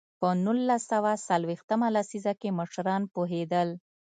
په نولس سوه څلوېښت مه لسیزه کې مشران پوهېدل.